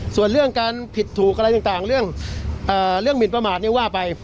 ส่วนเรื่องการผิดถูกอะไรต่างเรื่องหมินประมาทนี่ว่าไป